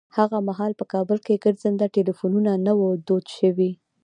هغه مهال په کابل کې ګرځنده ټليفونونه نه وو دود شوي.